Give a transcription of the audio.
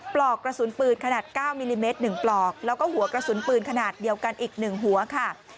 ปลอกกระสุนปืนขนาด๙มิลลิเมตร๑ปลอกแล้วก็หัวกระสุนปืนขนาดเดียวกันอีก๑หัวค่ะ